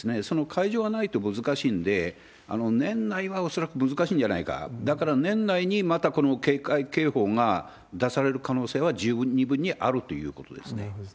その解除がないと難しいんで、年内は恐らく難しいんじゃないか、だから、年内にまたこの警戒警報が出される可能性は十二分にあるなるほどですね。